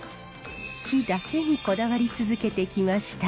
杼だけにこだわり続けてきました。